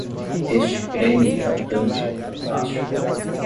Este creme hidratante é fantástico.